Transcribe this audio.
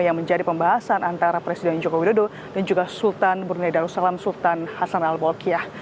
yang menjadi pembahasan antara presiden joko widodo dan juga sultan brunei darussalam sultan hasan al bolkiah